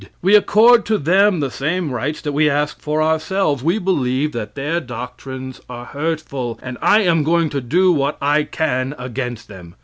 We accord to them the same rights that we ask for ourselves. We believe that their doctrines are hurtful, and I am going to do what I can against them.